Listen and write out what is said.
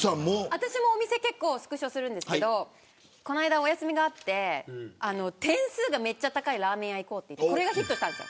私も結構お店スクショするんですけどこの間お休みがあって点数がめっちゃ高いラーメン屋行こうってなってこれがヒットしたんです。